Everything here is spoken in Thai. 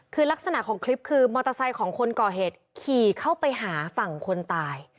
คือลักษณะของคลิปคือมอเตอร์ไซค์ของคนก่อเหตุขี่เข้าไปหาฝั่งคนตาย